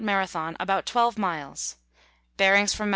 Marathon, about 12 miles. Bearings from Mt.